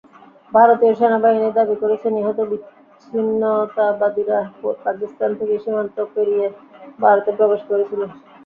ভারতীয় সেনাবাহিনী দাবি করেছে, নিহত বিচ্ছিন্নতাবাদীরা পাকিস্তান থেকে সীমান্ত পেরিয়ে ভারতে প্রবেশ করেছিল।